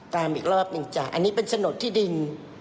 อีกรอบหนึ่งจ้ะอันนี้เป็นฉนดที่ดิน